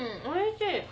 おいしい！